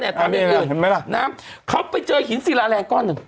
ครับดูแลแค่แบบนั้นได้ครับเขาไปเผาหินสีราแรงก้อนนึง